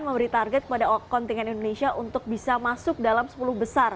memberi target kepada kontingen indonesia untuk bisa masuk dalam sepuluh besar